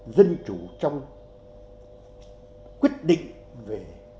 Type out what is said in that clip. dân chủ trong quyết định về